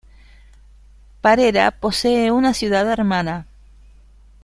Parera posee una ciudad hermana.